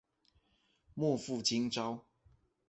莫负今朝！